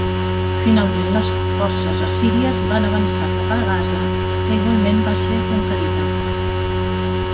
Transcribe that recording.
Finalment les forces assíries van avançar cap a Gaza que igualment va ser conquerida.